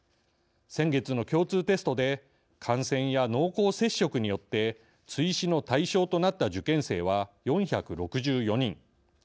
先月の共通テストで感染や濃厚接触によって追試の対象となった受験生は４６４人。